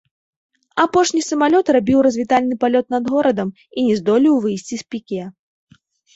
Апошні самалёт рабіў развітальны палёт над горадам і не здолеў выйсці з піке.